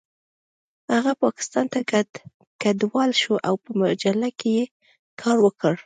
هغه پاکستان ته کډوال شو او په مجله کې یې کار وکړ